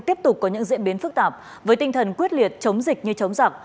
tiếp tục có những diễn biến phức tạp với tinh thần quyết liệt chống dịch như chống giặc